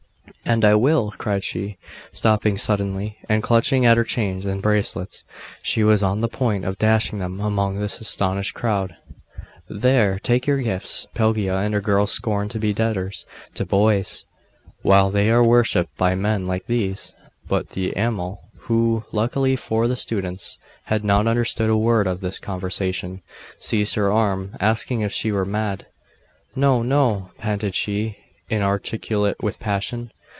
'And I will!' cried she, stopping suddenly; and clutching at her chains and bracelets, she was on the point of dashing them among the astonished crowd 'There! take your gifts! Pelagia and her girls scorn to be debtors to boys, while they are worshipped by men like these!' But the Amal, who, luckily for the students, had not understood a word of this conversation, seized her arm, asking if she were mad. 'No, no!' panted she, inarticulate with passion.